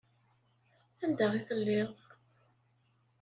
Anda i telliḍ?